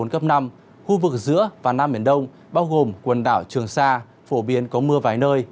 khu vực giữa và nam miền đông bao gồm quần đảo trường sa phổ biến có mưa vài nơi